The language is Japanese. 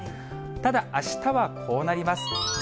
ただ、あしたはこうなります。